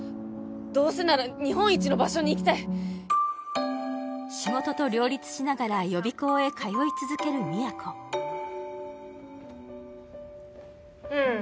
どうせなら日本一の場所に行きたい仕事と両立しながら予備校へ通い続ける都うん